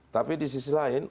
tapi di sisi lain